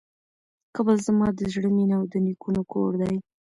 کابل زما د زړه مېنه او د نیکونو کور دی.